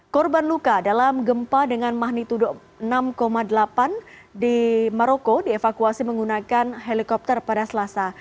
korban luka dalam gempa dengan magnitudo enam delapan di maroko dievakuasi menggunakan helikopter pada selasa